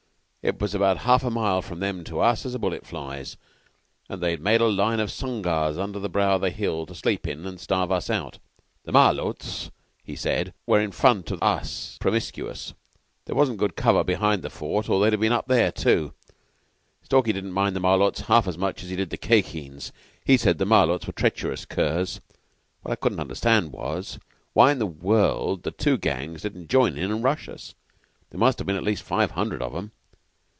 It was about half a mile from them to us as a bullet flies, and they'd made a line of sungars under the brow of the hill to sleep in and starve us out. The Malôts, he said, were in front of us promiscuous. There wasn't good cover behind the fort, or they'd have been there, too. Stalky didn't mind the Malôts half as much as he did the Khye Kheens. He said the Malôts were treacherous curs. What I couldn't understand was, why in the world the two gangs didn't join in and rush us. There must have been at least five hundred of 'em.